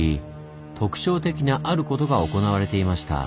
特徴的なあることが行われていました。